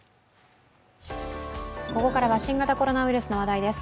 ここからは新型コロナウイルスの話題です。